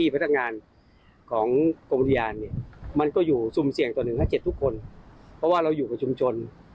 เพราะว่าเราอยู่ก็ชุมชน